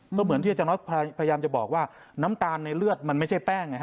ก็เหมือนที่อาจารย์น้อยพยายามจะบอกว่าน้ำตาลในเลือดมันไม่ใช่แป้ง